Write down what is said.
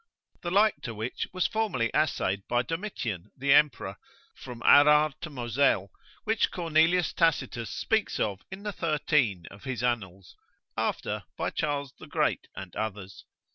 The like to which was formerly assayed by Domitian the emperor, from Arar to Moselle, which Cornelius Tacitus speaks of in the 13 of his annals, after by Charles the Great and others.